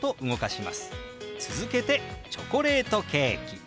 続けて「チョコレートケーキ」。